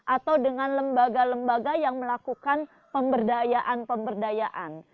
atau dengan lembaga lembaga yang melakukan pemberdayaan pemberdayaan